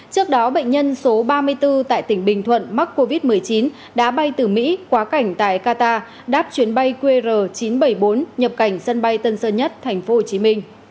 trước đó bệnh nhân số ba mươi bốn tại tỉnh bình thuận mắc covid một mươi chín đã bay từ mỹ quá cảnh tại qatar đáp chuyến bay qr chín trăm bảy mươi bốn nhập cảnh sân bay tân sơn nhất tp hcm